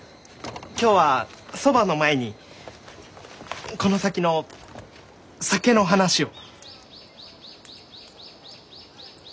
今日はそばの前にこの先の酒の話を。